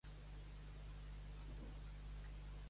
Calcedònia llistada de diferents colors.